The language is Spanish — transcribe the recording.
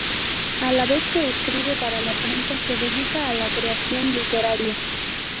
A la vez que escribe para la prensa, se dedica a la creación literaria.